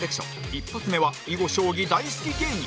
一発目は囲碁将棋大好き芸人